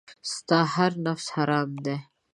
ستا هر نفس حرام دی .